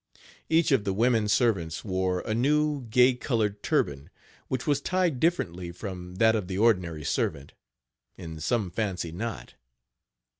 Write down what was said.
Each of the women servants wore a new, gay colored turban, which was tied differently from that of the ordinary servant, in some fancy knot.